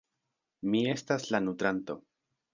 Mi estas la nutranto.